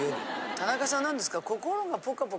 田中さんなんですか。